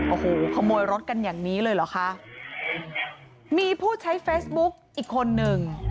โอ้โหขโมยรถกันอย่างนี้เลยเหรอคะมีผู้ใช้เฟซบุ๊กอีกคนหนึ่ง